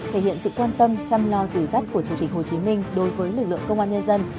thể hiện sự quan tâm chăm lo diều dắt của chủ tịch hồ chí minh đối với lực lượng công an nhân dân